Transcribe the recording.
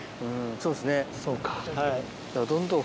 そうか。ですね。